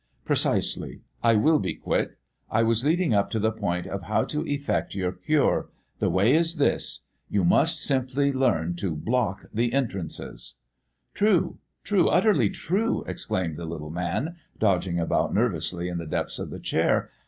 "Precisely. I will be quick. I was leading up to the point of how to effect your cure. The way is this: You must simply learn to block the entrances." "True, true, utterly true!" exclaimed the little man, dodging about nervously in the depths of the chair.